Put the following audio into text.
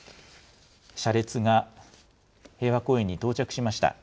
車列が平和公園に到着しました。